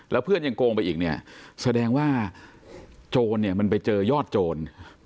แล้วเพื่อนยังโกงไปอีกเนี่ยแสดงว่าโจรเนี่ยมันไปเจอยอดโจร